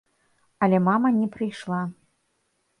Але мама не прыйшла.